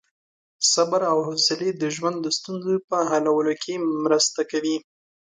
صبر او حوصلې د ژوند د ستونزو په حلولو کې مرسته کوي.